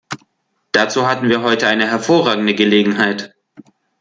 Dazu hatten wir heute eine hervorragende Gelegenheit.